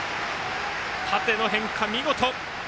縦の変化、見事。